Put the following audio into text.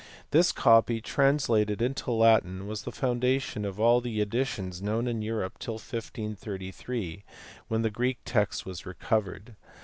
This copy, translated into Latin, was the foundation of all the edi tions known in Europe till 1533, when the Greek text was recovered.